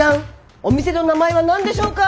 お店の名前は何でしょうか？